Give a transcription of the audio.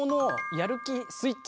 やる気スイッチ？